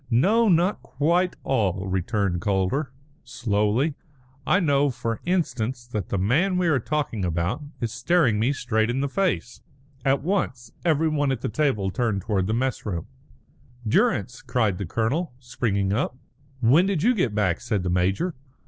"No, not quite all," returned Calder, slowly; "I know, for instance, that the man we are talking about is staring me straight in the face." At once everybody at the table turned towards the mess room. "Durrance!" cried the colonel, springing up. "When did you get back?" said the major.